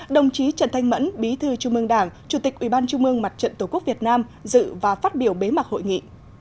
đồng chí trần thanh mẫn bí thư trung mương đảng chủ tịch ubnd mặt trận tổ quốc việt nam dự và phát biểu bế mạc hội nghị